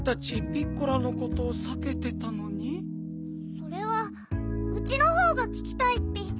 それはウチのほうがききたいッピ。